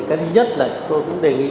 cái nhất là tôi cũng đề nghị